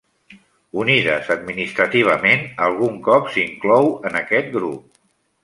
Unides administrativament, algun cop s'inclou en aquest grup.